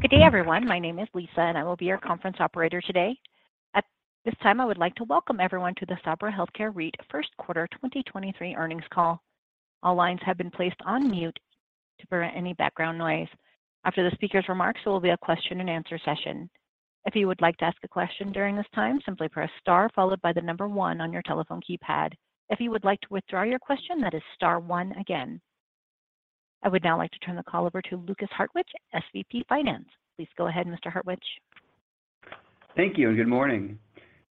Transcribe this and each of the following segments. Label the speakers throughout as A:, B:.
A: Good day everyone. My name is Lisa. I will be your conference operator today. At this time, I would like to welcome everyone to the Sabra Health Care REIT First Quarter 2023 earnings call. All lines have been placed on mute to prevent any background noise. After the speaker's remarks, there will be a question and answer session. If you would like to ask a question during this time, simply press star followed by the one on your telephone keypad. If you would like to withdraw your question, that is star one again. I would now like to turn the call over to Lukas Hartwich, SVP, Finance. Please go ahead, Mr. Hartwich.
B: Thank you and good morning.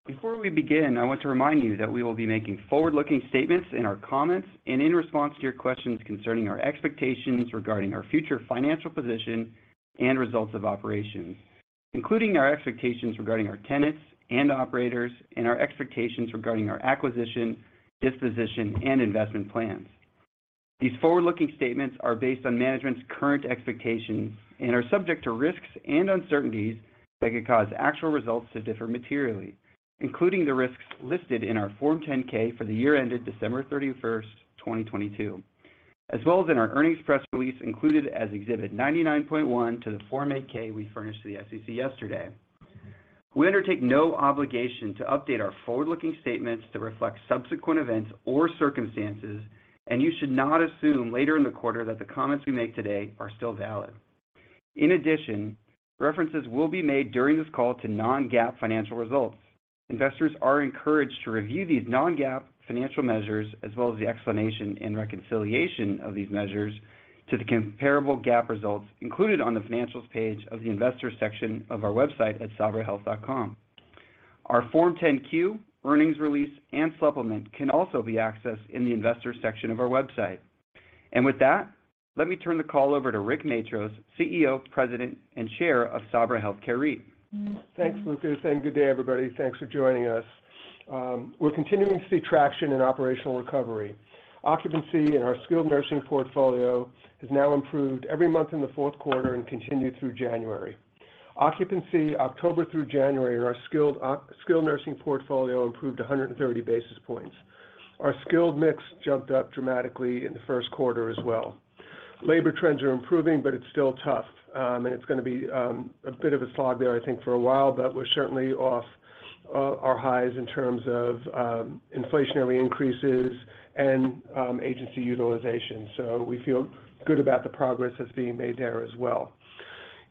B: Before we begin, I want to remind you that we will be making forward-looking statements in our comments and in response to your questions concerning our expectations regarding our future financial position and results of operations, including our expectations regarding our tenants and operators and our expectations regarding our acquisition, disposition, and investment plans. These forward-looking statements are based on management's current expectations and are subject to risks and uncertainties that could cause actual results to differ materially, including the risks listed in our Form 10-K for the year ended December 31st, 2022, as well as in our earnings press release included as Exhibit 99.1 to the Form 8-K we furnished to the SEC yesterday. We undertake no obligation to update our forward-looking statements that reflect subsequent events or circumstances. You should not assume later in the quarter that the comments we make today are still valid. In addition, references will be made during this call to non-GAAP financial results. Investors are encouraged to review these non-GAAP financial measures as well as the explanation and reconciliation of these measures to the comparable GAAP results included on the Financials page of the Investors section of our website at sabrahealth.com. Our Form 10-Q, earnings release, and supplement can also be accessed in the Investors section of our website. With that, let me turn the call over to Rick Matros, CEO, President, and Chair of Sabra Health Care REIT.
C: Thanks, Lucas. Good day, everybody. Thanks for joining us. We're continuing to see traction in operational recovery. Occupancy in our skilled nursing portfolio has now improved every month in the fourth quarter and continued through January. Occupancy October through January in our skilled nursing portfolio improved 130 basis points. Our skill mix jumped up dramatically in the first quarter as well. Labor trends are improving, but it's still tough, and it's gonna be a bit of a slog there, I think, for a while, but we're certainly off our highs in terms of inflationary increases and agency utilization. We feel good about the progress that's being made there as well.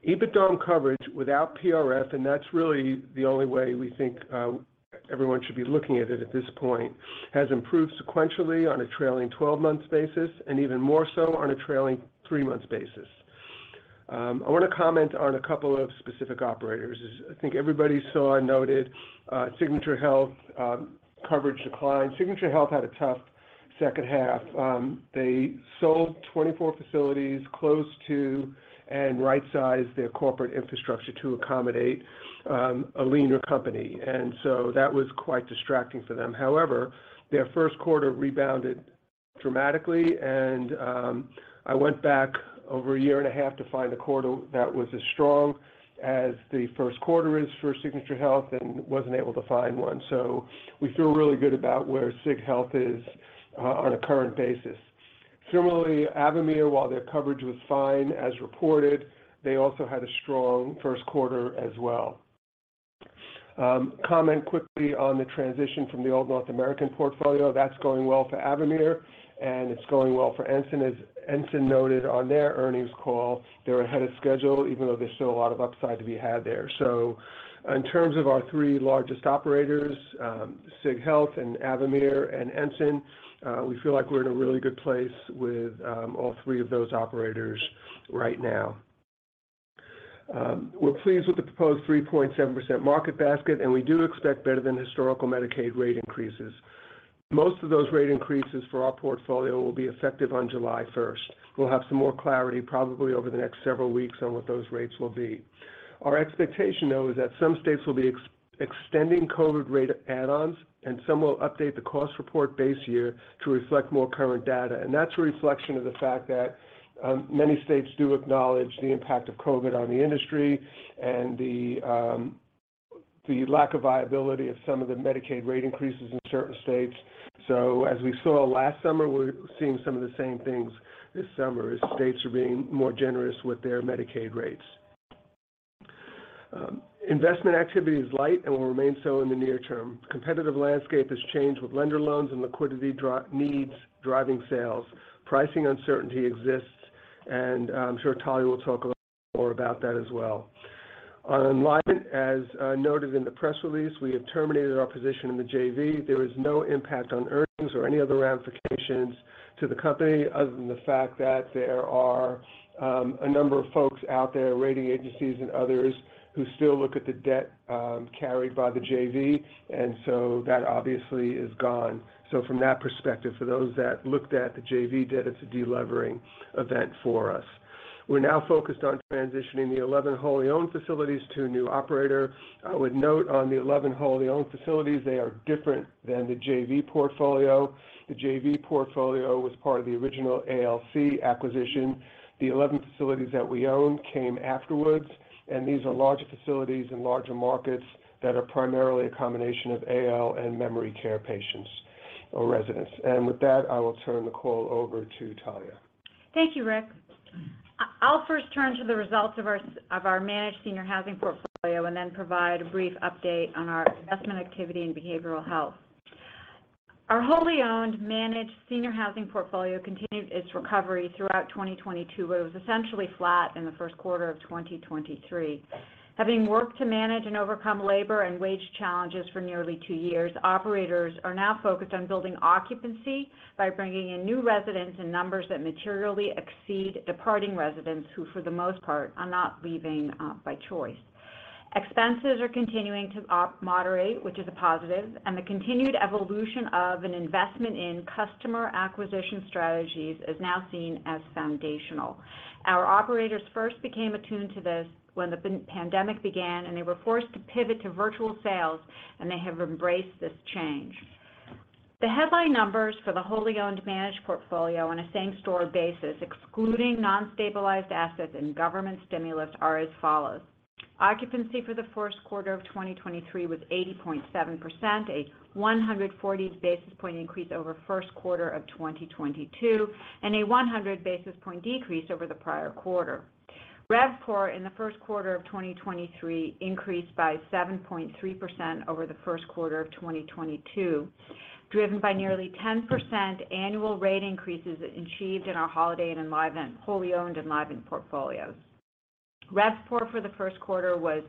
C: EBITDA coverage without PRF, and that's really the only way we think everyone should be looking at it at this point, has improved sequentially on a trailing 12-month basis and even more so on a trailing three-month basis. I wanna comment on a couple of specific operators. As I think everybody saw and noted, Signature Health coverage declined. Signature Health had a tough second half. They sold 24 facilities, closed two, and right-sized their corporate infrastructure to accommodate a leaner company. That was quite distracting for them. However, their first quarter rebounded dramatically and I went back over a year and a half to find a quarter that was as strong as the first quarter is for Signature Health and wasn't able to find one. We feel really good about where SigHealth is on a current basis. Similarly, Avamere, while their coverage was fine as reported, they also had a strong first quarter as well. Comment quickly on the transition from the old North American portfolio. That's going well for Avamere, and it's going well for Ensign. Ensign noted on their earnings call, they're ahead of schedule, even though there's still a lot of upside to be had there. In terms of our three largest operators, SigHealth and Avamere and Ensign, we feel like we're in a really good place with all three of those operators right now. We're pleased with the proposed 3.7% market basket, and we do expect better than historical Medicaid rate increases. Most of those rate increases for our portfolio will be effective on July 1st. We'll have some more clarity probably over the next several weeks on what those rates will be. Our expectation, though, is that some states will be extending COVID rate add-ons, and some will update the cost report base year to reflect more current data. That's a reflection of the fact that many states do acknowledge the impact of COVID on the industry and the lack of viability of some of the Medicaid rate increases in certain states. As we saw last summer, we're seeing some of the same things this summer as states are being more generous with their Medicaid rates. Investment activity is light and will remain so in the near term. Competitive landscape has changed with lender loans and liquidity needs driving sales. Pricing uncertainty exists, and I'm sure Talya will talk a lot more about that as well. On Enlivant, as noted in the press release, we have terminated our position in the JV. There is no impact on earnings or any other ramifications to the company other than the fact that there are a number of folks out there, rating agencies and others, who still look at the debt carried by the JV, and so that obviously is gone. From that perspective, for those that looked at the JV debt, it's a de-levering event for us. We're now focused on transitioning the 11 wholly owned facilities to a new operator. I would note on the 11 wholly owned facilities, they are different than the JV portfolio. The JV portfolio was part of the original ALC acquisition. The 11 facilities that we own came afterwards, and these are larger facilities in larger markets that are primarily a combination of AL and memory care patients.
D: Or residents. With that, I will turn the call over to Talya.
E: Thank you, Rick. I'll first turn to the results of our of our managed senior housing portfolio and then provide a brief update on our investment activity in behavioral health. Our wholly owned managed senior housing portfolio continued its recovery throughout 2022, but it was essentially flat in the first quarter of 2023. Having worked to manage and overcome labor and wage challenges for nearly two years, operators are now focused on building occupancy by bringing in new residents in numbers that materially exceed departing residents who, for the most part, are not leaving by choice. Expenses are continuing to moderate, which is a positive, and the continued evolution of an investment in customer acquisition strategies is now seen as foundational. Our operators first became attuned to this when the pan-pandemic began. They were forced to pivot to virtual sales. They have embraced this change. The headline numbers for the wholly owned managed portfolio on a same-store basis, excluding non-stabilized assets and government stimulus, are as follows: Occupancy for the first quarter of 2023 was 80.7%, a 140 basis point increase over first quarter of 2022. A 100 basis point decrease over the prior quarter. RevPAR in the first quarter of 2023 increased by 7.3% over the first quarter of 2022, driven by nearly 10% annual rate increases achieved in our Holiday and wholly owned Enlivant portfolios. RevPAR for the first quarter was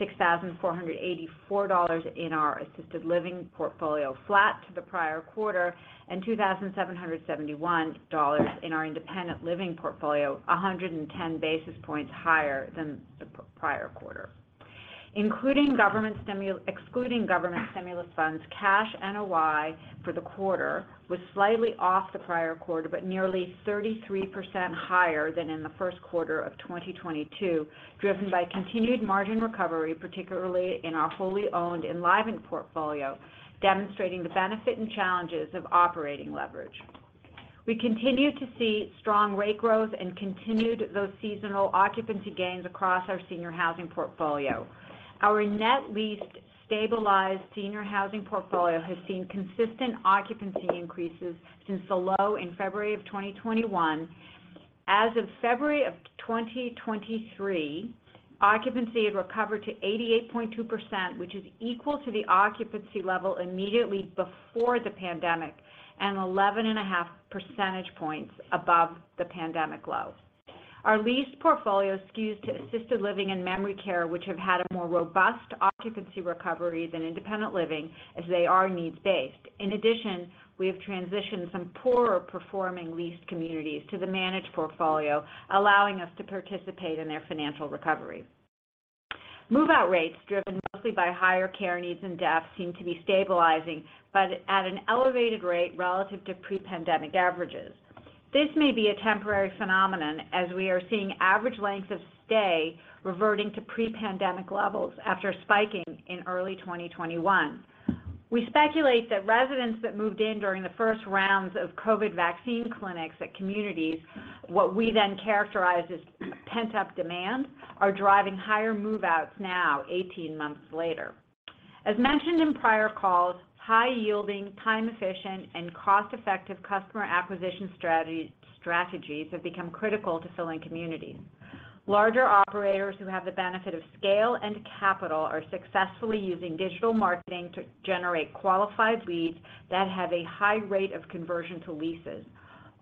E: $6,484 in our assisted living portfolio, flat to the prior quarter, and $2,771 in our independent living portfolio, 110 basis points higher than the prior quarter. Excluding government stimulus funds, cash NOI for the quarter was slightly off the prior quarter, but nearly 33% higher than in the first quarter of 2022, driven by continued margin recovery, particularly in our wholly owned Enlivant portfolio, demonstrating the benefit and challenges of operating leverage. We continue to see strong rate growth and continued those seasonal occupancy gains across our senior housing portfolio. Our net leased stabilized senior housing portfolio has seen consistent occupancy increases since the low in February of 2021. As of February of 2023, occupancy had recovered to 88.2%, which is equal to the occupancy level immediately before the pandemic and 11.5 percentage points above the pandemic low. Our leased portfolio skews to assisted living and memory care, which have had a more robust occupancy recovery than independent living, as they are needs-based. We have transitioned some poorer performing leased communities to the managed portfolio, allowing us to participate in their financial recovery. Move-out rates, driven mostly by higher care needs and deaths, seem to be stabilizing but at an elevated rate relative to pre-pandemic averages. This may be a temporary phenomenon, as we are seeing average length of stay reverting to pre-pandemic levels after spiking in early 2021. We speculate that residents that moved in during the first rounds of COVID vaccine clinics at communities, what we then characterize as pent-up demand, are driving higher move-outs now, 18 months later. As mentioned in prior calls, high yielding, time efficient, and cost-effective customer acquisition strategies have become critical to filling communities. Larger operators who have the benefit of scale and capital are successfully using digital marketing to generate qualified leads that have a high rate of conversion to leases.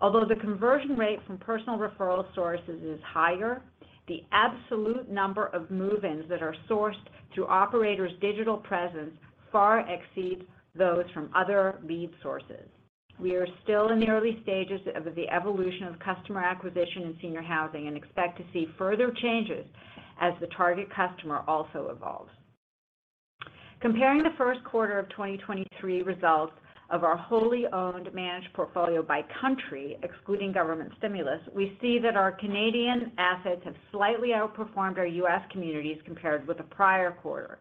E: Although the conversion rate from personal referral sources is higher, the absolute number of move-ins that are sourced through operators' digital presence far exceed those from other lead sources. We are still in the early stages of the evolution of customer acquisition in senior housing and expect to see further changes as the target customer also evolves. Comparing the first quarter of 2023 results of our wholly owned managed portfolio by country, excluding government stimulus, we see that our Canadian assets have slightly outperformed our U.S. communities compared with the prior quarter.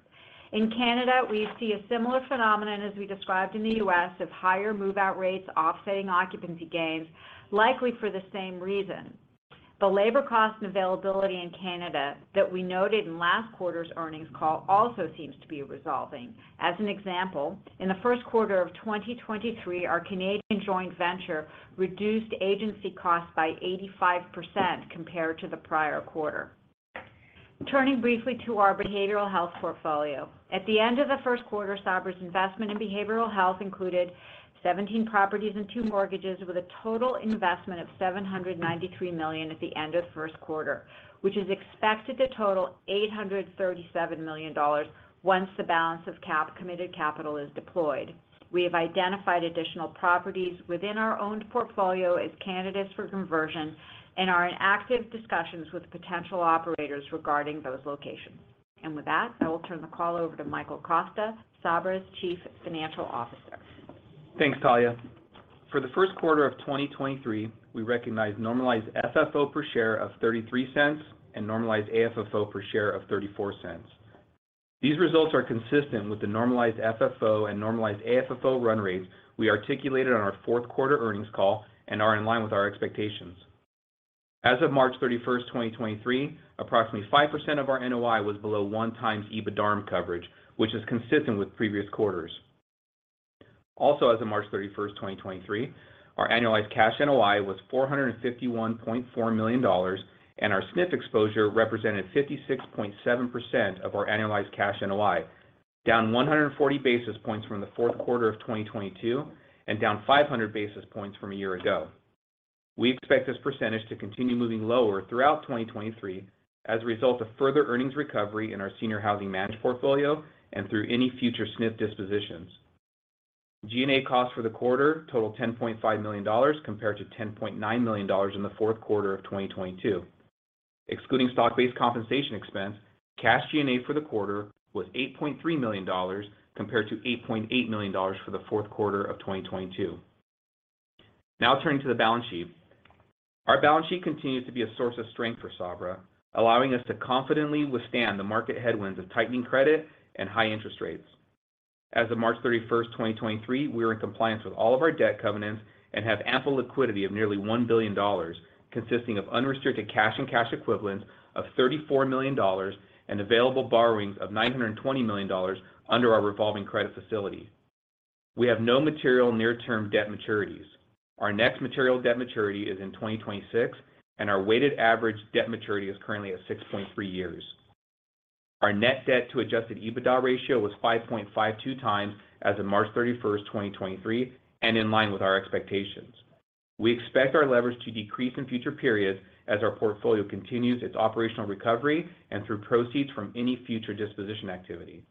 E: In Canada, we see a similar phenomenon as we described in the U.S. of higher move-out rates offsetting occupancy gains, likely for the same reason. The labor cost and availability in Canada that we noted in last quarter's earnings call also seems to be resolving. As an example, in the first quarter of 2023, our Canadian joint venture reduced agency costs by 85% compared to the prior quarter. Turning briefly to our behavioral health portfolio. At the end of the first quarter, Sabra's investment in behavioral health included 17 properties and two mortgages with a total investment of $793 million at the end of first quarter, which is expected to total $837 million once the balance of cap-committed capital is deployed. We have identified additional properties within our owned portfolio as candidates for conversion and are in active discussions with potential operators regarding those locations. With that, I will turn the call over to Michael Costa, Sabra's Chief Financial Officer.
D: Thanks, Talya. For the first quarter of 2023, we recognized normalized FFO per share of $0.33 and normalized AFFO per share of $0.34. These results are consistent with the normalized FFO and normalized AFFO run rates we articulated on our fourth quarter earnings call and are in line with our expectations. Also, as of March 31st, 2023, approximately 5% of our NOI was below one times EBITDARM coverage, which is consistent with previous quarters. Also, as of March 31st, 2023, our annualized cash NOI was $451.4 million, and our SNF exposure represented 56.7% of our annualized cash NOI, down 140 basis points from the fourth quarter of 2022, and down 500 basis points from a year ago. We expect this percentage to continue moving lower throughout 2023 as a result of further earnings recovery in our senior housing managed portfolio and through any future SNF dispositions. G&A costs for the quarter totaled $10.5 million compared to $10.9 million in the fourth quarter of 2022. Excluding stock-based compensation expense, cash G&A for the quarter was $8.3 million compared to $8.8 million for the fourth quarter of 2022. Turning to the balance sheet. Our balance sheet continues to be a source of strength for Sabra, allowing us to confidently withstand the market headwinds of tightening credit and high interest rates. As of March 31, 2023, we are in compliance with all of our debt covenants and have ample liquidity of nearly $1 billion, consisting of unrestricted cash and cash equivalents of $34 million and available borrowings of $920 million under our revolving credit facility. We have no material near-term debt maturities. Our next material debt maturity is in 2026, and our weighted average debt maturity is currently at 6.3 years. Our net debt to adjusted EBITDA ratio was 5.52x as of March 31, 2023 and in line with our expectations. We expect our leverage to decrease in future periods as our portfolio continues its operational recovery and through proceeds from any future disposition activity.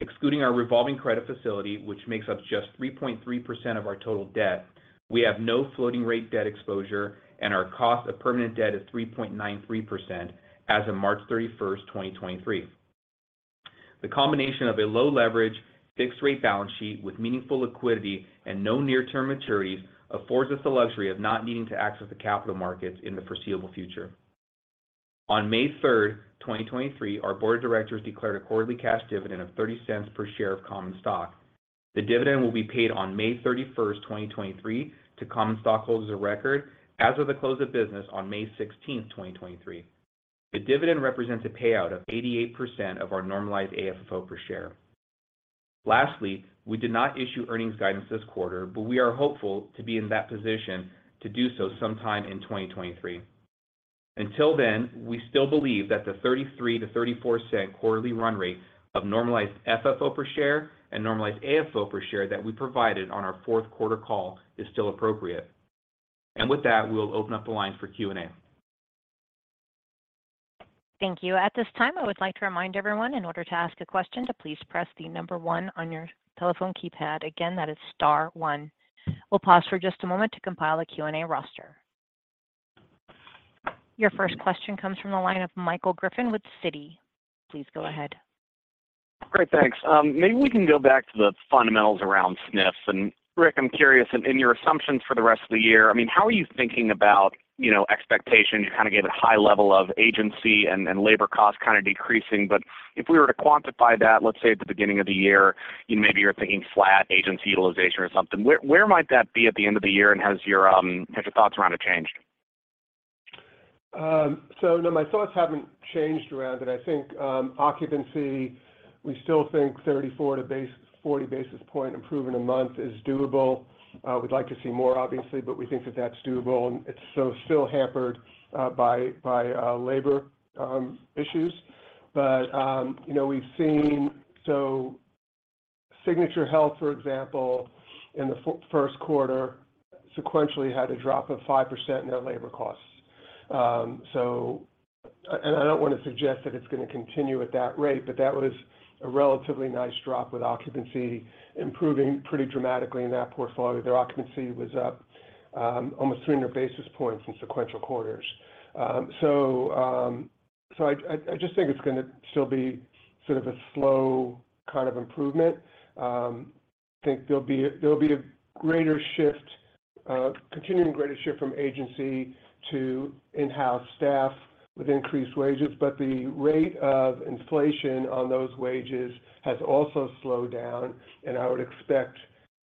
D: Excluding our revolving credit facility, which makes up just 3.3% of our total debt, we have no floating rate debt exposure, and our cost of permanent debt is 3.93% as of March 31, 2023. The combination of a low leverage fixed rate balance sheet with meaningful liquidity and no near-term maturities affords us the luxury of not needing to access the capital markets in the foreseeable future. On May 3rd, 2023, our board of directors declared a quarterly cash dividend of $0.30 per share of common stock. The dividend will be paid on May 31st, 2023 to common stockholders of record as of the close of business on May 16th, 2023. The dividend represents a payout of 88% of our normalized AFFO per share. Lastly, we did not issue earnings guidance this quarter, but we are hopeful to be in that position to do so sometime in 2023. Until then, we still believe that the $0.33-$0.34 quarterly run rate of normalized FFO per share and normalized AFFO per share that we provided on our fourth quarter call is still appropriate. With that, we'll open up the line for Q&A.
A: Thank you. At this time, I would like to remind everyone in order to ask a question to please press the number one on your telephone keypad. Again, that is star one. We'll pause for just a moment to compile a Q&A roster. Your first question comes from the line of Michael Griffin with Citi. Please go ahead.
F: Great. Thanks. Maybe we can go back to the fundamentals around SNFs. Rick, I'm curious, in your assumptions for the rest of the year, I mean, how are you thinking about, you know, expectation? You kind of gave a high level of agency and labor costs kind of decreasing. If we were to quantify that, let say at the beginning of the year, you know, maybe you're thinking flat agency utilization or something, where might that be at the end of the year? Has your, have your thoughts around it changed?
C: No, my thoughts haven't changed around it. I think occupancy, we still think 34 to 40 basis point improvement a month is doable. We'd like to see more obviously, but we think that that's doable. It's so still hampered by labor issues. You know, we've seen Signature Health, for example, in the first quarter sequentially had a drop of 5% in their labor costs. I don't wanna suggest that it's gonna continue at that rate, but that was a relatively nice drop with occupancy improving pretty dramatically in that portfolio. Their occupancy was up almost 300 basis points in sequential quarters. I just think it's gonna still be sort of a slow kind of improvement. I think there'll be a greater shift, continuing greater shift from agency to in-house staff with increased wages, but the rate of inflation on those wages has also slowed down, and I would expect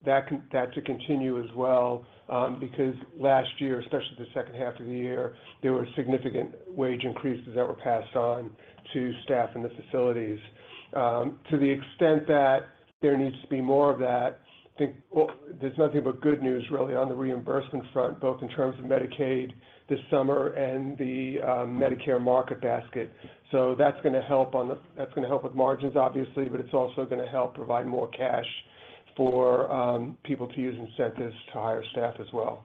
C: that to continue as well. Last year, especially the second half of the year, there were significant wage increases that were passed on to staff in the facilities. To the extent that there needs to be more of that, I think, well, there's nothing but good news really on the reimbursement front, both in terms of Medicaid this summer and the Medicare market basket. That's gonna help with margins obviously, but it's also gonna help provide more cash for people to use incentives to hire staff as well.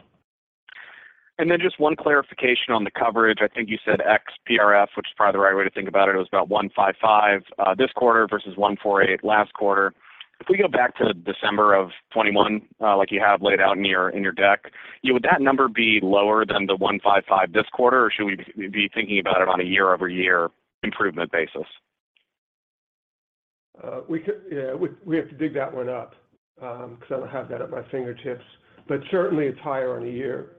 F: Just one clarification on the coverage. I think you said ex-PRF, which is probably the right way to think about it. It was about 1.55 this quarter versus 1.48 last quarter. If we go back to December of 2021, like you have laid out in your deck, would that number be lower than the 1.55 this quarter? Or should we be thinking about it on a year-over-year improvement basis?
C: Yeah, we have to dig that one up, 'cause I don't have that at my fingertips. Certainly it's higher on a year,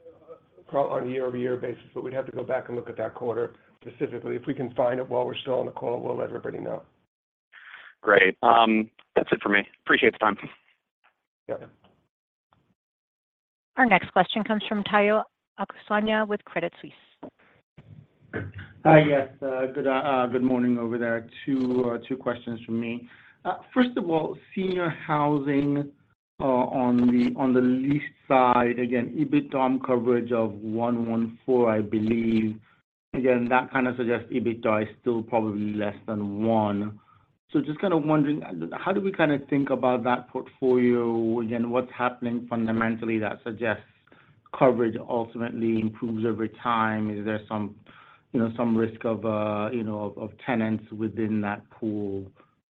C: on a year-over-year basis, but we'd have to go back and look at that quarter specifically. If we can find it while we're still on the call, we'll let everybody know.
F: Great. That's it for me. Appreciate the time.
C: Yep.
A: Our next question comes from Tayo Okusanya with Credit Suisse.
G: Hi. Yes, good morning over there. Two questions from me. First of all, senior housing, on the lease side, again, EBITDA coverage of 1.14, I believe. Again, that kind of suggests EBITDA is still probably less than one. Just kind of wondering, how do we kind of think about that portfolio? Again, what's happening fundamentally that suggests coverage ultimately improves over time? Is there some, you know, some risk of, you know, of tenants within that pool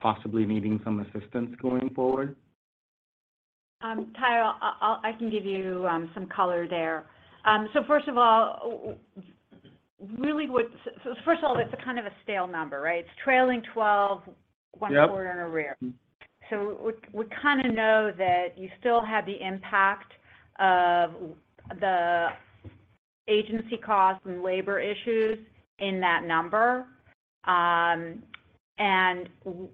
G: possibly needing some assistance going forward?
E: Tayo, I'll give you, some color there. First of all, that's a kind of a stale number, right? It's trailing twelve-
G: Yep...
E: one quarter in arrear. We, we kind of know that you still have the impact of the agency costs and labor issues in that number.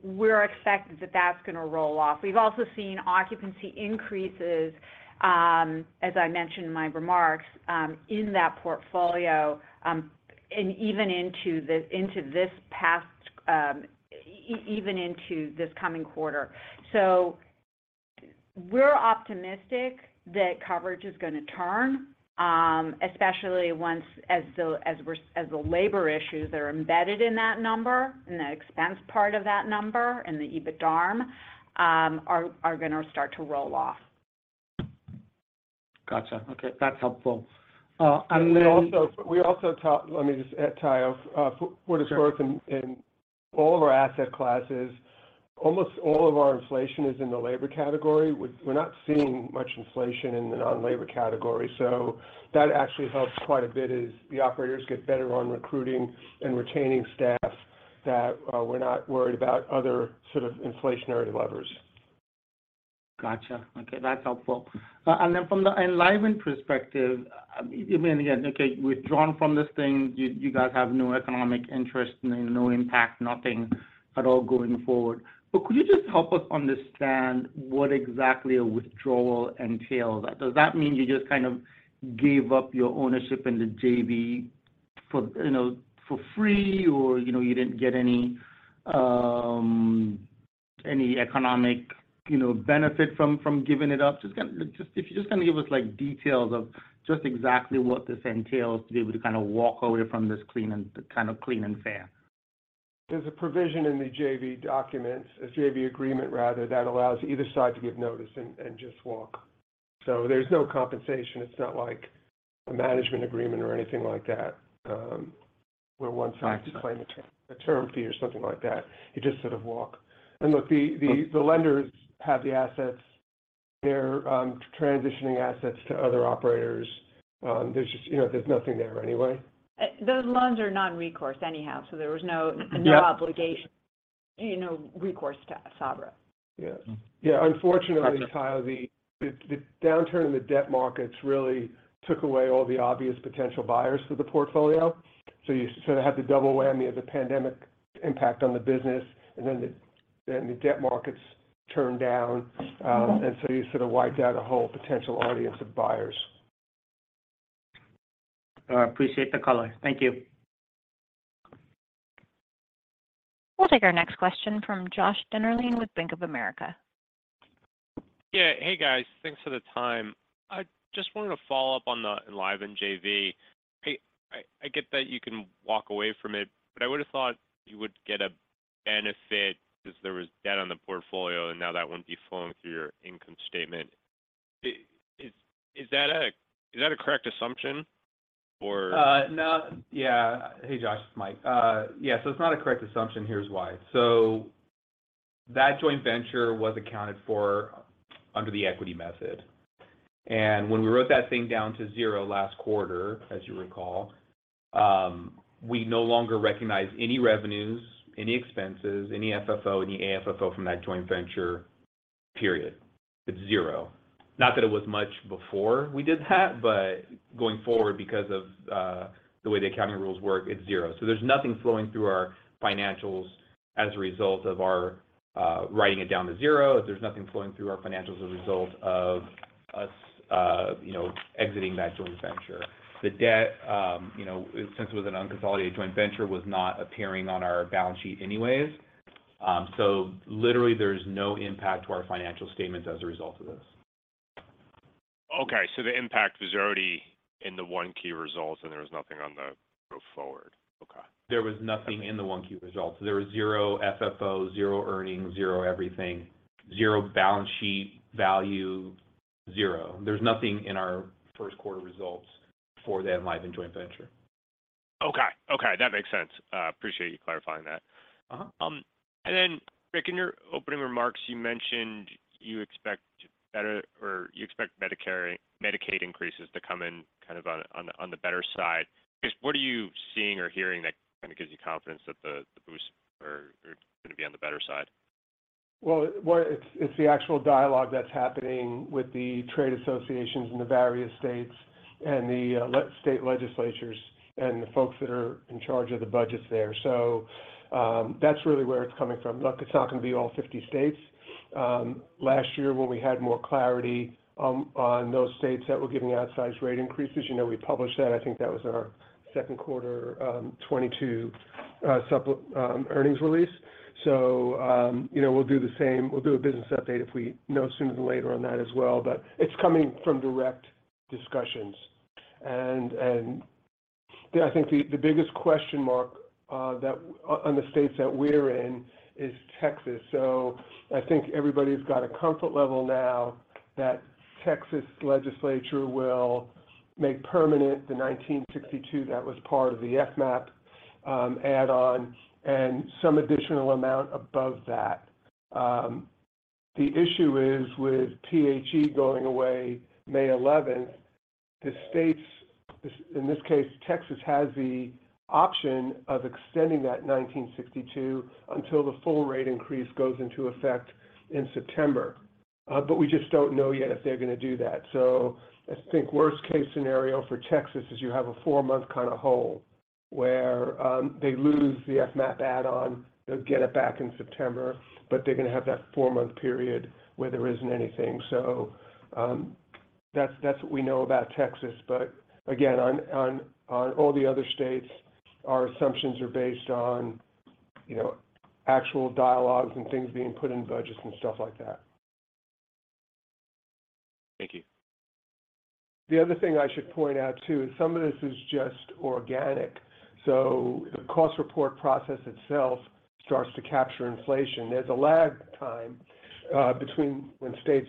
E: We're expecting that that's gonna roll off. We've also seen occupancy increases, as I mentioned in my remarks, in that portfolio, and even into this past, even into this coming quarter. We're optimistic that coverage is gonna turn, especially once as the labor issues that are embedded in that number, in the expense part of that number, in the EBITDA, are gonna start to roll off.
G: Gotcha. Okay. That's helpful.
C: We also, let me just add, Tayo.
G: Sure.
C: What is worth in all of our asset classes, almost all of our inflation is in the labor category. We're not seeing much inflation in the non-labor category. That actually helps quite a bit as the operators get better on recruiting and retaining staff that we're not worried about other sort of inflationary levers.
G: Gotcha. Okay, that's helpful. And then from the Enlivant perspective, I mean, again, okay, withdrawn from this thing, you guys have no economic interest, no impact, nothing at all going forward. But could you just help us understand what exactly a withdrawal entails? Does that mean you just kind of gave up your ownership in the JV for, you know, for free or, you know, you didn't get any economic, you know, benefit from giving it up? If you just kind of give us like details of just exactly what this entails to be able to kind of walk away from this clean and kind of clean and fair.
C: There's a provision in the JV document, a JV agreement rather, that allows either side to give notice and just walk. There's no compensation. It's not like a management agreement or anything like that, where one side
G: I see.
C: just claim a term fee or something like that. You just sort of walk. Look, the lenders have the assets. They're transitioning assets to other operators. There's just, you know, there's nothing there anyway.
E: Those loans are non-recourse anyhow, so there was.
G: Yep...
E: no obligation, you know, recourse to Sabra.
C: Yeah.
G: Mm-hmm.
C: Yeah.
G: Gotcha
C: Tayo, the downturn in the debt markets really took away all the obvious potential buyers for the portfolio. You sort of have the double whammy of the pandemic impact on the business and then the debt markets turn down. You sort of wiped out a whole potential audience of buyers.
G: All right. Appreciate the color. Thank you.
A: We'll take our next question from Josh Dennerlein with Bank of America.
H: Yeah. Hey, guys. Thanks for the time. I just wanted to follow up on the Enlivant JV. I get that you can walk away from it, but I would have thought you would get a benefit because there was debt on the portfolio, and now that wouldn't be flowing through your income statement. Is that a correct assumption?
D: No. Yeah. Hey, Josh, it's Mike. Yeah, it's not a correct assumption. Here's why. That joint venture was accounted for under the equity method. When we wrote that thing down to zero last quarter, as you recall, we no longer recognize any revenues, any expenses, any FFO, any AFFO from that joint venture, period. It's zero. Not that it was much before we did that, but going forward, because of the way the accounting rules work, it's zero. There's nothing flowing through our financials as a result of our writing it down to zero. There's nothing flowing through our financials as a result of us, you know, exiting that joint venture. The debt, you know, since it was an unconsolidated joint venture, was not appearing on our balance sheet anyways. Literally, there's no impact to our financial statements as a result of this.
H: Okay. The impact was already in the one key result, and there was nothing on the go forward. Okay.
D: There was nothing in the one key result. There was zero FFO, zero earnings, zero everything, zero balance sheet value, zero. There's nothing in our first quarter results for that Enlivant joint venture.
H: Okay. Okay, that makes sense. Appreciate you clarifying that.
D: Uh-huh.
H: Rick, in your opening remarks, you mentioned you expect better or you expect Medicaid increases to come in kind of on the, on the better side. Just what are you seeing or hearing that kind of gives you confidence that the boosts are gonna be on the better side?
C: Well, it's the actual dialogue that's happening with the trade associations in the various states and the state legislatures and the folks that are in charge of the budgets there. That's really where it's coming from. Look, it's not gonna be all 50 states. Last year when we had more clarity on those states that were giving outsize rate increases, you know, we published that. I think that was in our second quarter 2022 earnings release. You know, we'll do the same. We'll do a business update if we know sooner than later on that as well. It's coming from direct discussions. Yeah, I think the biggest question mark on the states that we're in is Texas. I think everybody's got a comfort level now that Texas Legislature will make permanent the $19.62 that was part of the FMAP add-on and some additional amount above that. The issue is with PHE going away May 11, the states, in this case, Texas has the option of extending that $19.62 until the full rate increase goes into effect in September. We just don't know yet if they're gonna do that. I think worst case scenario for Texas is you have a four-month kind of hole where they lose the FMAP add-on. They'll get it back in September, but they're gonna have that four-month period where there isn't anything. That's what we know about Texas. Again, on all the other states, our assumptions are based on, you know, actual dialogues and things being put in budgets and stuff like that.
H: Thank you.
C: The other thing I should point out, too, is some of this is just organic, so the cost report process itself starts to capture inflation. There's a lag time between when states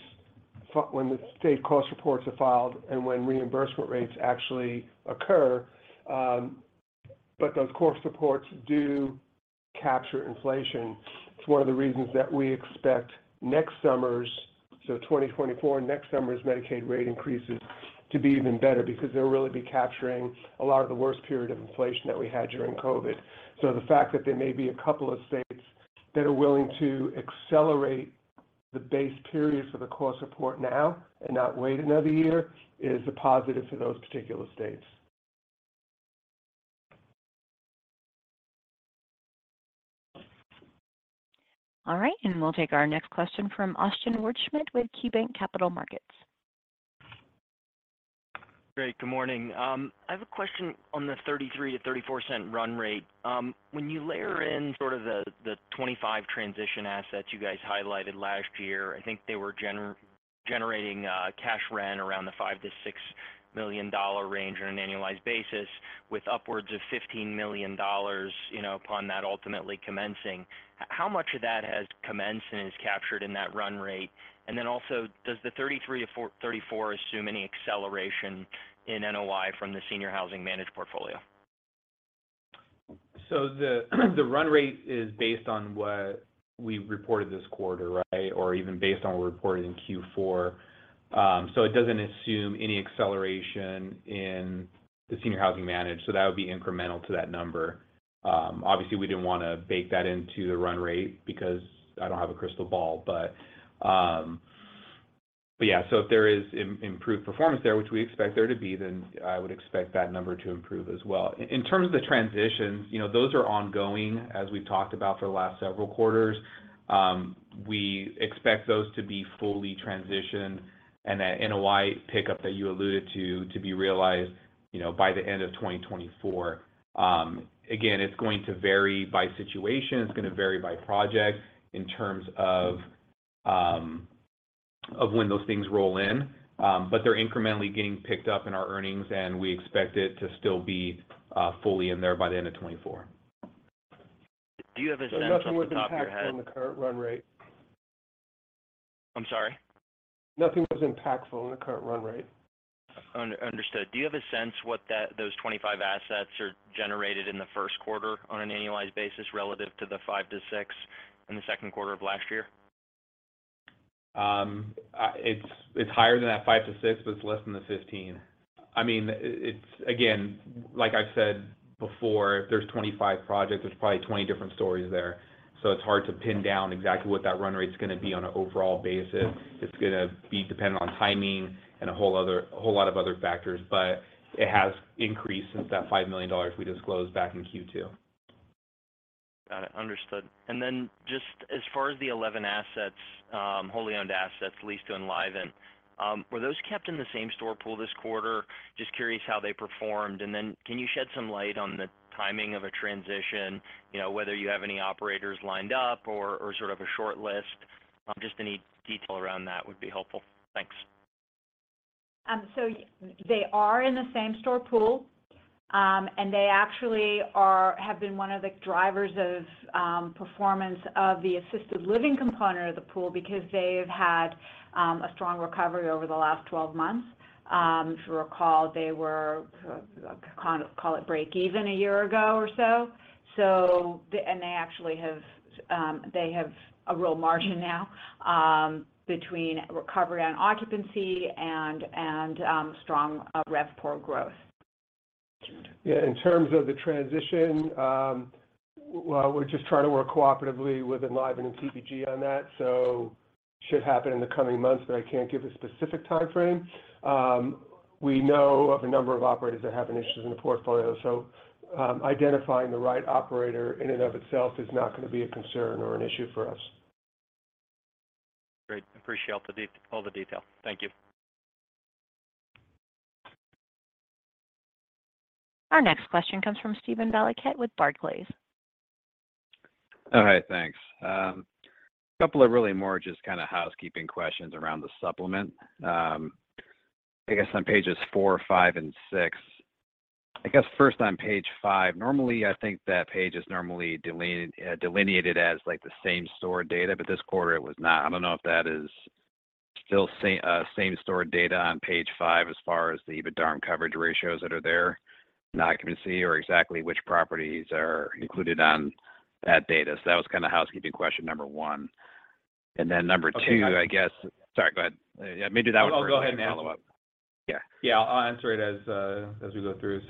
C: when the state cost reports are filed and when reimbursement rates actually occur. Those cost reports do capture inflation. It's one of the reasons that we expect next summer's, so 2024, next summer's Medicaid rate increases to be even better because they'll really be capturing a lot of the worst period of inflation that we had during COVID. The fact that there may be a couple of states that are willing to accelerate the base period for the cost report now and not wait another year is a positive for those particular states.
A: All right. We'll take our next question from Austin Wurschmidt with KeyBanc Capital Markets.
I: Great, good morning. I have a question on the $0.33-$0.34 run rate. When you layer in sort of the 25 transition assets you guys highlighted last year, I think they were generating cash rent around the $5 million-$6 million range on an annualized basis with upwards of $15 million, you know, upon that ultimately commencing, how much of that has commenced and is captured in that run rate? Also, does the $0.33-$0.34 assume any acceleration in NOI from the senior housing managed portfolio?
D: The run rate is based on what we reported this quarter, right? Or even based on what we reported in Q4. It doesn't assume any acceleration in the senior housing managed, so that would be incremental to that number. Obviously, we didn't wanna bake that into the run rate because I don't have a crystal ball. But yeah. If there is improved performance there, which we expect there to be, then I would expect that number to improve as well. In terms of the transitions, you know, those are ongoing, as we've talked about for the last several quarters. We expect those to be fully transitioned and that NOI pickup that you alluded to be realized, you know, by the end of 2024. Again, it's going to vary by situation. It's gonna vary by project in terms of when those things roll in. They're incrementally getting picked up in our earnings, and we expect it to still be, fully in there by the end of 2024.
I: Do you have a sense off the top of your head?
C: Nothing was impactful in the current run rate.
I: I'm sorry?
C: Nothing was impactful in the current run rate.
I: Under-understood. Do you have a sense what that, those 25 assets are generated in the first quarter on an annualized basis relative to the five to six in the second quarter of last year?
D: It's higher than that $5 million-$6 million, but it's less than the $15 million. I mean, it's, again, like I've said before, if there's 25 projects, there's probably 20 different stories there. It's hard to pin down exactly what that run rate's gonna be on an overall basis. It's gonna be dependent on timing and a whole other, a whole lot of other factors. It has increased since that $5 million we disclosed back in Q2.
I: Got it. Understood. Just as far as the 11 assets, wholly owned assets leased to Enlivant, were those kept in the same-store pool this quarter? Just curious how they performed. Can you shed some light on the timing of a transition, you know, whether you have any operators lined up or sort of a short list? Just any detail around that would be helpful. Thanks.
E: They are in the same-store pool. They actually have been one of the drivers of performance of the assisted living component of the pool because they've had a strong recovery over the last 12 months. If you recall, they were kind of call it break even a year ago or so. They actually have, they have a real margin now, between recovery on occupancy and strong RevPAR growth.
C: Yeah, in terms of the transition, well, we're just trying to work cooperatively with Enlivant and TPG on that, so should happen in the coming months, but I can't give a specific timeframe. We know of a number of operators that are having issues in the portfolio, so identifying the right operator in and of itself is not gonna be a concern or an issue for us.
I: Great. Appreciate all the detail. Thank you.
A: Our next question comes from Steven Valiquette with Barclays.
J: All right. Thanks. A couple of really more just kinda housekeeping questions around the supplement. I guess on pages four, five, and six... I guess first on page five, normally, I think that page is normally delineated as, like, the same-store data, but this quarter it was not. I don't know if that is still same-store data on page five as far as the EBITDA and coverage ratios that are there. Not gonna see or exactly which properties are included on that data. That was kinda housekeeping question number one. Then number two, I guess-
D: Okay.
J: Sorry, go ahead. Yeah, maybe that one first, and then follow up.
D: No, I'll go ahead and answer.
J: Yeah.
D: Yeah. I'll answer it as as we go through.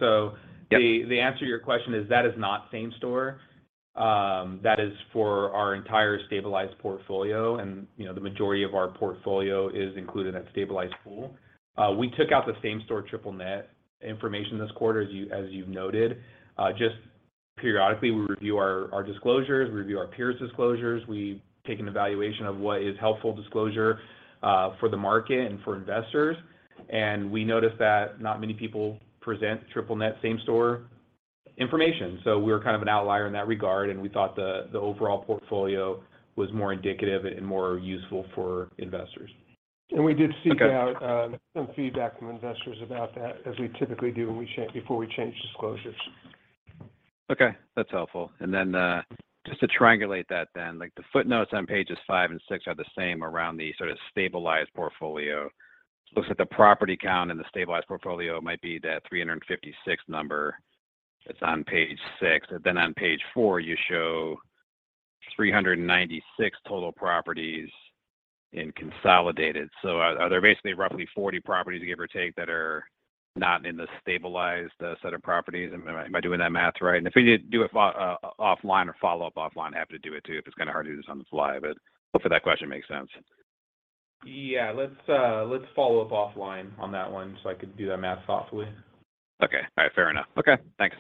J: Yep.
D: The answer to your question is, that is not same-store. That is for our entire stabilized portfolio, and, you know, the majority of our portfolio is included in that stabilized pool. We took out the same-store triple net information this quarter, as you've noted. Just periodically we review our disclosures, we review our peers' disclosures. We take an evaluation of what is helpful disclosure for the market and for investors, and we noticed that not many people present triple net same-store information. We're kind of an outlier in that regard, and we thought the overall portfolio was more indicative and more useful for investors.
C: We did seek.
J: Okay...
C: some feedback from investors about that, as we typically do before we change disclosures.
J: Okay. That's helpful. Then, just to triangulate that then, like, the footnotes on pages five and six are the same around the sort of stabilized portfolio. Looks like the property count in the stabilized portfolio might be that 356 number that's on page six. On page four you show 396 total properties in consolidated. Are there basically roughly 40 properties, give or take, that are not in the stabilized, set of properties? Am I doing that math right? If we need to do it offline or follow up offline, happy to do it too, if it's kinda hard to do this on the fly. Hopefully that question makes sense.
D: Yeah. Let's follow up offline on that one so I can do that math thoughtfully.
J: Okay. All right. Fair enough. Okay. Thanks.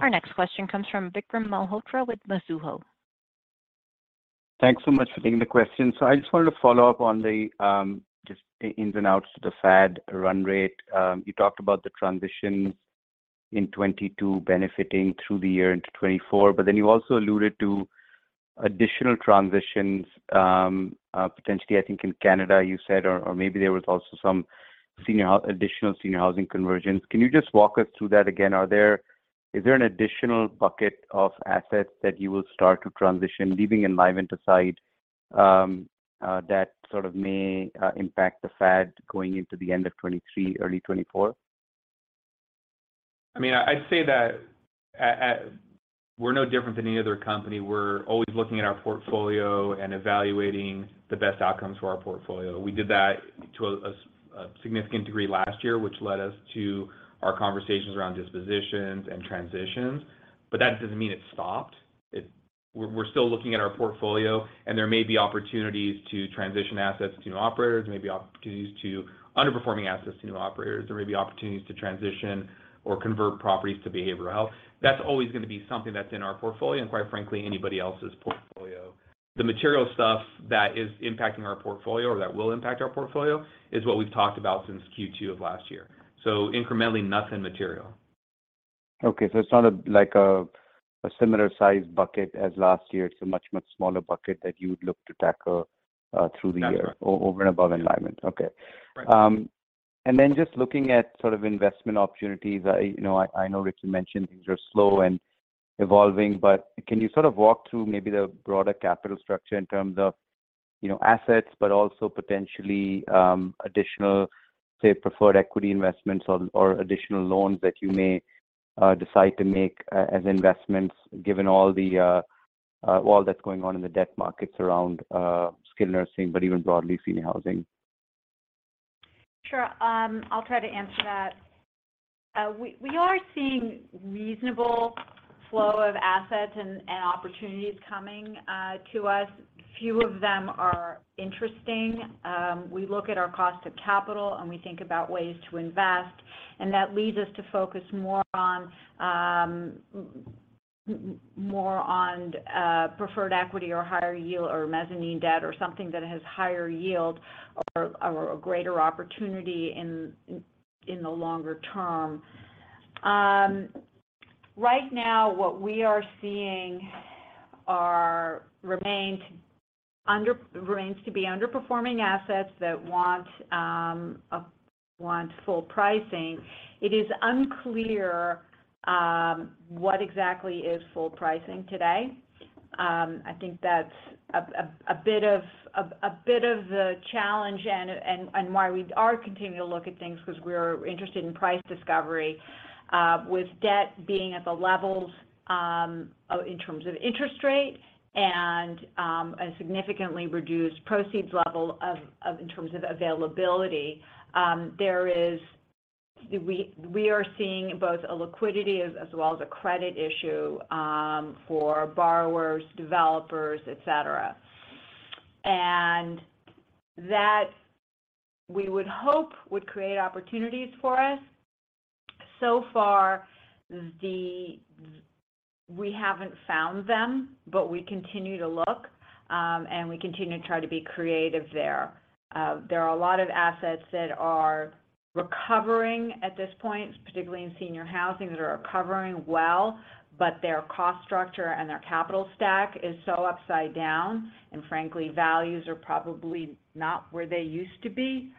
A: Our next question comes from Vikram Malhotra with Mizuho.
K: Thanks so much for taking the question. I just wanted to follow up on the just ins and outs of the FAD run rate. You talked about the transition in 2022 benefiting through the year into 2024, you also alluded to additional transitions, potentially I think in Canada you said, or maybe there was also some additional senior housing conversions. Can you just walk us through that again? Is there an additional bucket of assets that you will start to transition, leaving Enlivant aside, that sort of may impact the FAD going into the end of 2023, early 2024?
D: I mean, I'd say that at... We're no different than any other company. We're always looking at our portfolio and evaluating the best outcomes for our portfolio. We did that to a significant degree last year, which led us to our conversations around dispositions and transitions, but that doesn't mean it's stopped. It... We're still looking at our portfolio, and there may be opportunities to transition assets to new operators. There may be opportunities to underperforming assets to new operators. There may be opportunities to transition or convert properties to behavioral health. That's always gonna be something that's in our portfolio, and quite frankly, anybody else's portfolio. The material stuff that is impacting our portfolio or that will impact our portfolio is what we've talked about since Q2 of last year. Incrementally, nothing material.
K: It's not like a similar size bucket as last year. It's a much, much smaller bucket that you would look to tackle through the year.
D: That's right....
K: over and above Enlivant.
D: Yeah.
K: Okay.
D: Right.
K: Just looking at sort of investment opportunities, you know, I know Richard mentioned things are slow and evolving, but can you sort of walk through maybe the broader capital structure in terms of, you know, assets, but also potentially, additional, say, preferred equity investments or additional loans that you may decide to make as investments given all that's going on in the debt markets around skilled nursing, but even broadly senior housing?
E: Sure. I'll try to answer that. We are seeing reasonable flow of assets and opportunities coming to us. Few of them are interesting. We look at our cost of capital, and we think about ways to invest, and that leads us to focus more on preferred equity or higher yield or mezzanine debt or something that has higher yield or a greater opportunity in the longer term. Right now what we are seeing are... remains to be underperforming assets that want full pricing. It is unclear what exactly is full pricing today. I think that's a bit of the challenge and why we are continuing to look at things, because we're interested in price discovery. With debt being at the levels in terms of interest rates and a significantly reduced proceeds level of in terms of availability, We are seeing both a liquidity as well as a credit issue for borrowers, developers, et cetera. That we would hope would create opportunities for us. So far, we haven't found them, but we continue to look and we continue to try to be creative there. There are a lot of assets that are recovering at this point, particularly in senior housing, that are recovering well, but their cost structure and their capital stack is so upside down, and frankly, values are probably not where they used to be.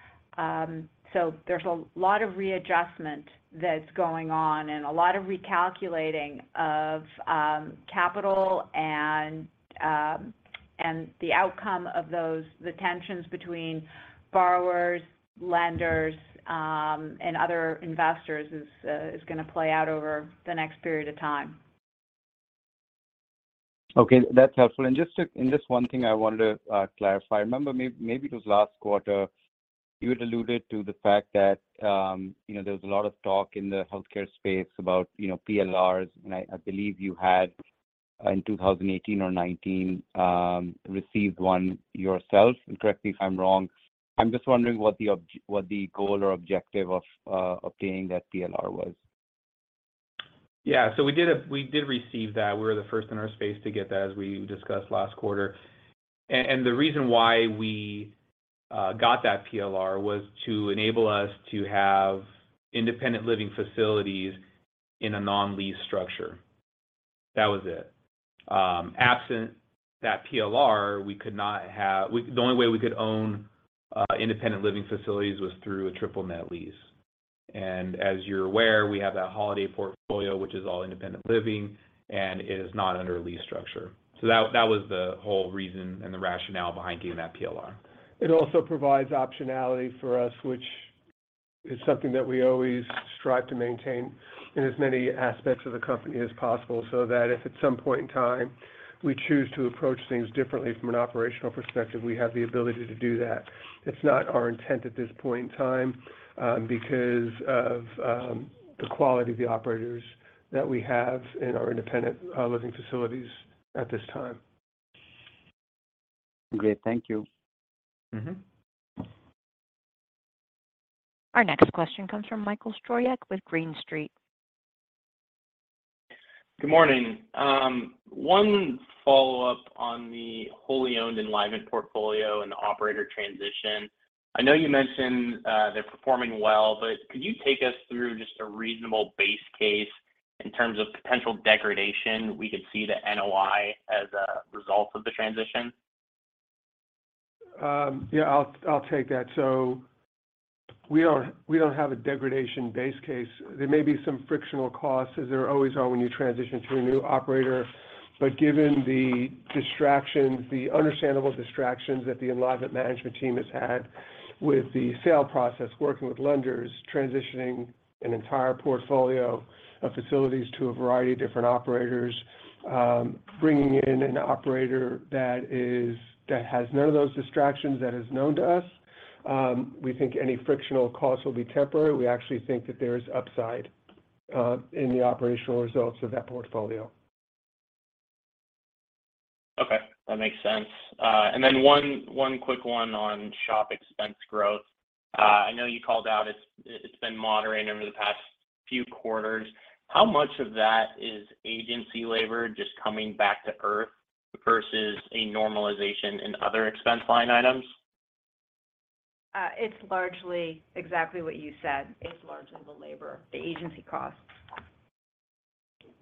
E: There's a lot of readjustment that's going on and a lot of recalculating of capital and the outcome of those, the tensions between borrowers, lenders, and other investors is gonna play out over the next period of time.
K: Okay, that's helpful. Just one thing I wanted to clarify. I remember maybe it was last quarter, you had alluded to the fact that, you know, there was a lot of talk in the healthcare space about, you know, PLRs, and I believe you had in 2018 or 2019 received one yourself. Correct me if I'm wrong, I'm just wondering what the goal or objective of obtaining that PLR was.
D: Yeah. We did receive that. We were the first in our space to get that, as we discussed last quarter. The reason why we got that PLR was to enable us to have independent living facilities in a non-lease structure. That was it. Absent that PLR, the only way we could own independent living facilities was through a triple net lease. As you're aware, we have that Holiday portfolio, which is all independent living, and it is not under a lease structure. That was the whole reason and the rationale behind getting that PLR.
C: It also provides optionality for us, which is something that we always strive to maintain in as many aspects of the company as possible, so that if at some point in time we choose to approach things differently from an operational perspective, we have the ability to do that. It's not our intent at this point in time, because of the quality of the operators that we have in our independent living facilities at this time.
K: Great. Thank you.
D: Mm-hmm.
A: Our next question comes from Michael Stroyeck with Green Street.
L: Good morning. One follow-up on the wholly owned Enlivant portfolio and the operator transition. I know you mentioned they're performing well, but could you take us through just a reasonable base case in terms of potential degradation we could see to NOI as a result of the transition?
C: Yeah, I'll take that. We don't, we don't have a degradation base case. There may be some frictional costs, as there always are when you transition to a new operator. Given the distractions, the understandable distractions that the Enlivant management team has had with the sale process, working with lenders, transitioning an entire portfolio of facilities to a variety of different operators, bringing in an operator that has none of those distractions, that is known to us, we think any frictional costs will be temporary. We actually think that there is upside in the operational results of that portfolio.
L: Okay. That makes sense. one quick one on SHOP expense growth. I know you called out it's been moderate over the past few quarters. How much of that is agency labor just coming back to earth versus a normalization in other expense line items?
E: It's largely exactly what you said. It's largely the labor, the agency costs.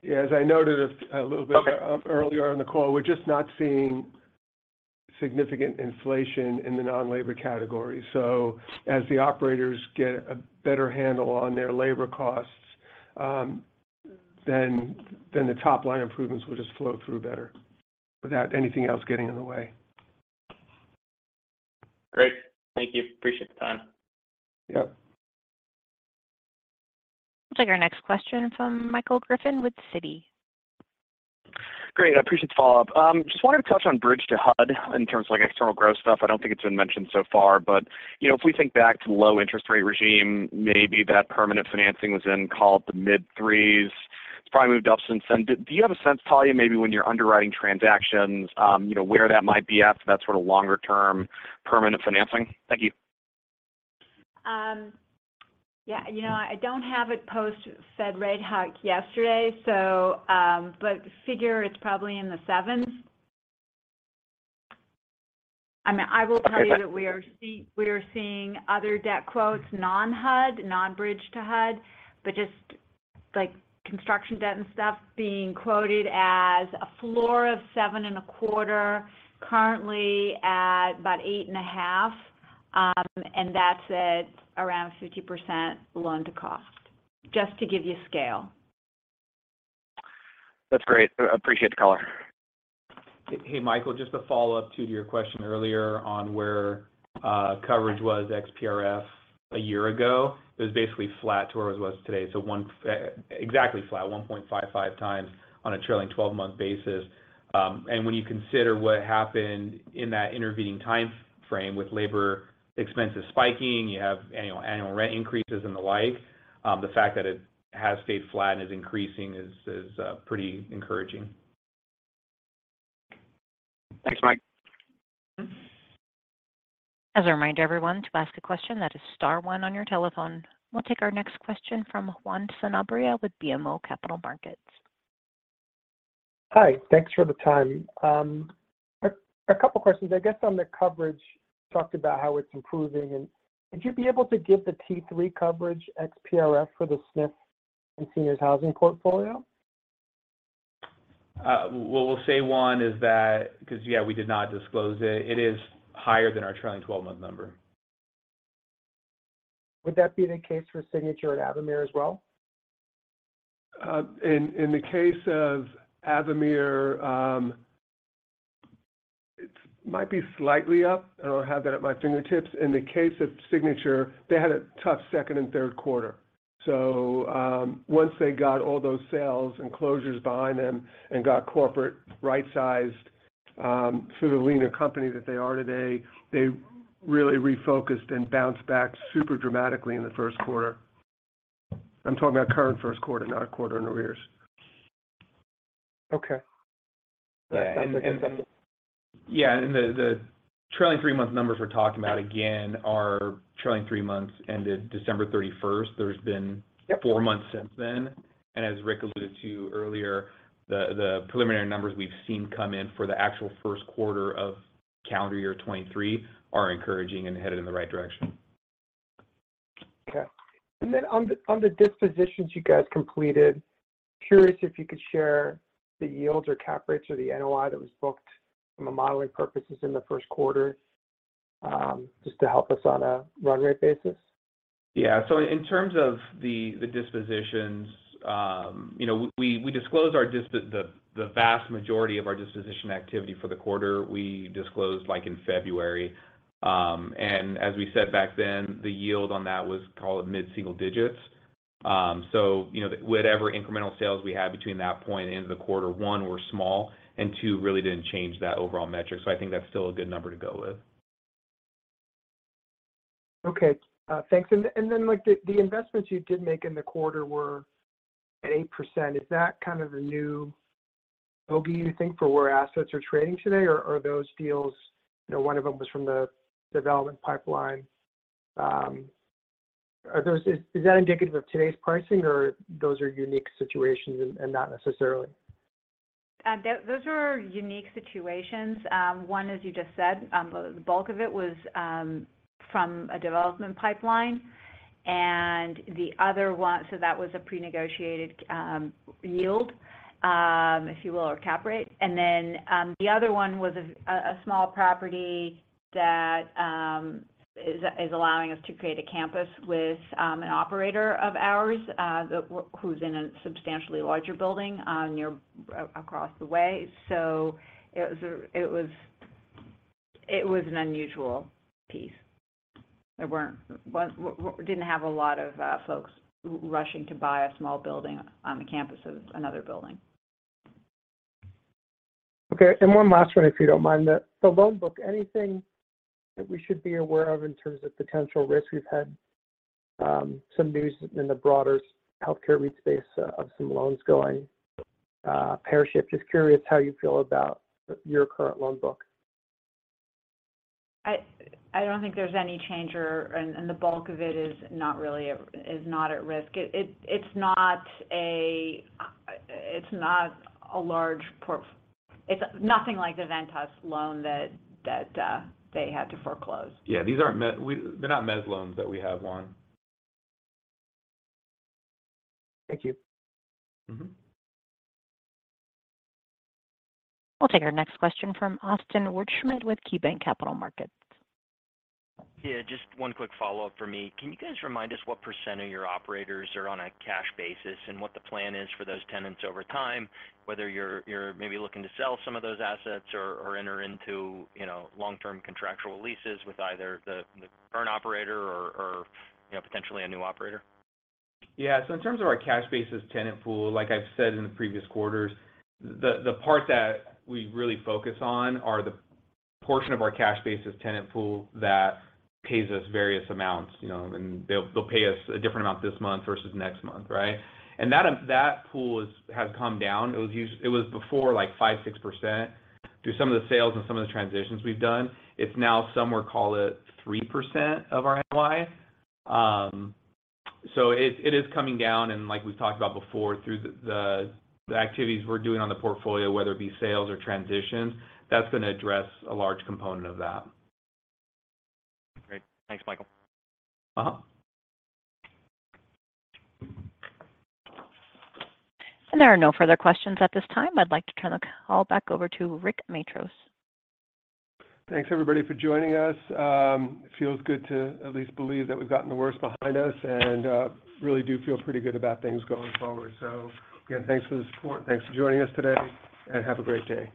C: Yeah. As I noted a little bit.
L: Okay...
C: earlier in the call, we're just not seeing significant inflation in the non-labor category. As the operators get a better handle on their labor costs, then the top-line improvements will just flow through better without anything else getting in the way.
L: Great. Thank you. Appreciate the time.
C: Yep.
A: We'll take our next question from Michael Griffin with Citi.
F: Great. I appreciate the follow-up. Just wanted to touch on bridge-to-HUD in terms of like external growth stuff. I don't think it's been mentioned so far, but, you know, if we think back to low interest rate regime, maybe that permanent financing was in call it the mid-3s. It's probably moved up since then. Do you have a sense, Talya, maybe when you're underwriting transactions, you know, where that might be at for that sort of longer term permanent financing? Thank you.
E: Yeah. You know, I don't have it post Fed rate hike yesterday, so, but figure it's probably in the 7s. I mean, I will tell you that we are seeing other debt quotes, non-HUD, non-bridge-to-HUD, but just like construction debt and stuff being quoted as a floor of 7.25%, currently at about 8.5%, and that's at around 50% loan-to-cost, just to give you scale.
F: That's great. Appreciate the color.
D: Hey, Michael, just a follow-up to your question earlier on where coverage was XPRF a year ago. It was basically flat to where it was today. Exactly flat, 1.55x on a trailing twelve-month basis. When you consider what happened in that intervening time frame with labor expenses spiking, you have annual rent increases and the like, the fact that it has stayed flat and is increasing is pretty encouraging.
F: Thanks, Mike.
A: As a reminder, everyone, to ask a question, that is star one on your telephone. We'll take our next question from Juan Sanabria with BMO Capital Markets.
M: Hi. Thanks for the time. A couple questions. I guess on the coverage, talked about how it's improving and would you be able to give the T3 coverage XPRF for the SNF and Seniors Housing portfolio?
D: What we'll say, Juan, is that, 'cause, yeah, we did not disclose it is higher than our trailing twelve-month number.
M: Would that be the case for Signature and Avamere as well?
C: In the case of Avamere, it might be slightly up. I don't have that at my fingertips. In the case of Signature, they had a tough second and third quarter. Once they got all those sales and closures behind them and got corporate right-sized to the leaner company that they are today, they really refocused and bounced back super dramatically in the first quarter. I'm talking about current first quarter, not a quarter in arrears.
M: Okay.
D: The trailing three-month numbers we're talking about, again, are trailing three months ended December 31st.
M: Yep...
D: four months since then. As Rick alluded to earlier, the preliminary numbers we've seen come in for the actual first quarter of calendar year 2023 are encouraging and headed in the right direction.
M: Okay. On the dispositions you guys completed, curious if you could share the yields or cap rates or the NOI that was booked from a modeling purposes in the first quarter, just to help us on a run rate basis.
D: Yeah. In terms of the dispositions, you know, we disclosed our the vast majority of our disposition activity for the quarter, we disclosed, like, in February. As we said back then, the yield on that was call it mid-single digits. You know, whatever incremental sales we had between that point and the end of the quarter, one, were small, and two, really didn't change that overall metric. I think that's still a good number to go with.
M: Okay. Thanks. Then, like, the investments you did make in the quarter were at 8%. Is that kind of the new bogey you think for where assets are trading today, or are those deals, you know, one of them was from the development pipeline, is that indicative of today's pricing, or those are unique situations and not necessarily?
E: Those are unique situations. One, as you just said, the bulk of it was from a development pipeline. The other one. That was a prenegotiated yield, if you will, or cap rate. The other one was a small property that is allowing us to create a campus with an operator of ours, who's in a substantially larger building across the way. It was an unusual piece. We didn't have a lot of folks rushing to buy a small building on the campus of another building.
M: Okay. One last one, if you don't mind. The loan book, anything that we should be aware of in terms of potential risk? We've had some news in the broader healthcare REIT space of some loans going pear-shaped. Just curious how you feel about your current loan book.
E: I don't think there's any change or and the bulk of it is not at risk. It's not a. It's nothing like the Ventas loan that they had to foreclose.
D: Yeah. They're not mezzanine loans that we have, Juan.
M: Thank you.
D: Mm-hmm.
A: We'll take our next question from Austin Wurschmidt with KeyBanc Capital Markets.
I: Just one quick follow-up for me. Can you guys remind us what percent of your operators are on a cash basis and what the plan is for those tenants over time, whether you're maybe looking to sell some of those assets or enter into, you know, long-term contractual leases with either the current operator or, you know, potentially a new operator?
D: In terms of our cash basis tenant pool, like I've said in the previous quarters, the part that we really focus on are the portion of our cash basis tenant pool that pays us various amounts, you know. They'll, they'll pay us a different amount this month versus next month, right? That pool has come down. It was before, like, 5%, 6%. Through some of the sales and some of the transitions we've done, it's now somewhere call it 3% of our NOI. It, it is coming down, and like we've talked about before, through the activities we're doing on the portfolio, whether it be sales or transitions, that's gonna address a large component of that.
I: Great. Thanks, Michael.
D: Uh-huh.
A: There are no further questions at this time. I'd like to turn the call back over to Rick Matros.
C: Thanks, everybody, for joining us. It feels good to at least believe that we've gotten the worst behind us and, really do feel pretty good about things going forward. Again, thanks for the support. Thanks for joining us today, and have a great day.